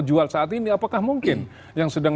jual saat ini apakah mungkin yang sedang